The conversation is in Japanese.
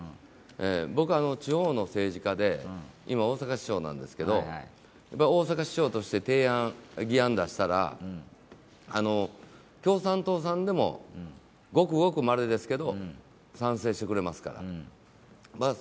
僕は地方の政治家で今、大阪市長なんですけど大阪市長として提案、議案出したら共産党さんでもごくごくまれですけど賛成してくれますから。